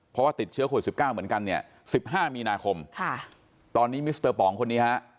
เพราะว่าติดเชื้อโควิด๑๙เหมือนกันเนี่ย๑๕มีนาคมตอนนี้มิสเตอร์ป๋องคนนี้ฮะ